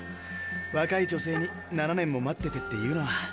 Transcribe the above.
若い女性に「７年も待ってて」って言うのは。